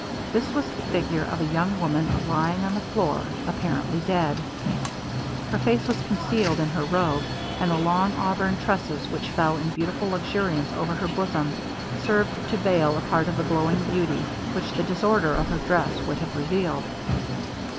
This was the figure of a young woman lying on the floor apparently dead. Her face was concealed in her robe; and the long auburn tresses which fell in beautiful luxuriance over her bosom, served to veil a part of the glowing beauty which the disorder of her dress would have revealed.